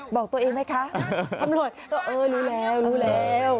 บอกตัวเองไหมคะตำรวจเออรู้แล้วรู้แล้ว